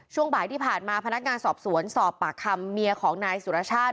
ช่วงบ่ายที่ผ่านมาพนักงานสอบสวนสอบปากคำเมียของนายสุรชาติ